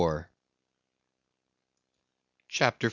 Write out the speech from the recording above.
CHAPTER 42.